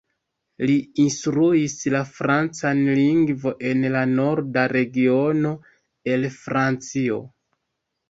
Li instruis la francan lingvo en la norda regiono el Francio.